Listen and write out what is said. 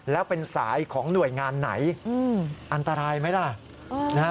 แล้วเป็นสายของหน่วยงานไหนอันตรายไหมล่ะ